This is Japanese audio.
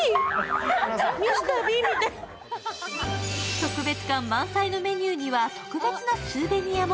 特別感満載のメニューには特別なスーベニアも。